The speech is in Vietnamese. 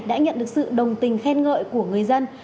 đã nhận được sự đồng tình khen ngợi của người dân